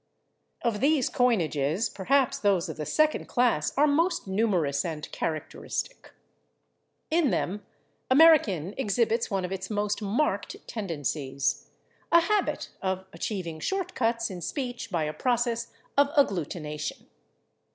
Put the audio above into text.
Of these coinages, perhaps those of the second class are most numerous and characteristic. In them American exhibits one of its most marked tendencies: a habit of achieving short cuts in speech by a process of agglutination.